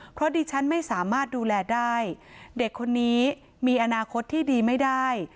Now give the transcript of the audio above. เพราะดิฉันไม่สามารถดูแลได้เด็กคนนี้มีอนาคตที่ดีไม่ได้